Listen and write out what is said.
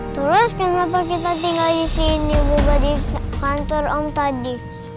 terus kenapa kita tinggal disini bukan di kantor om tadi